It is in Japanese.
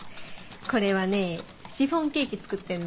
これはねシフォンケーキ作ってんの。